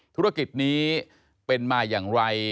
ธุรกิจนี้เป็นมาอย่างไร